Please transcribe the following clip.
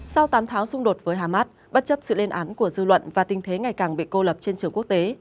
sau tám tháng xung đột với hamas bất chấp sự lên án của dư luận và tình thế ngày càng bị cô lập trên trường quốc tế